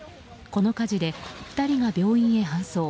この火事で、２人が病院へ搬送。